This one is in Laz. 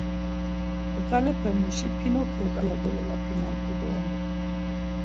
Ndğalepemuşi Pinokyo ǩala gololapinamt̆u doren.